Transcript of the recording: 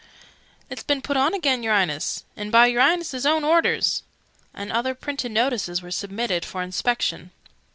"It's been put on again, y'reince, and by y'reince's own orders!", and other printed notices were submitted for inspection.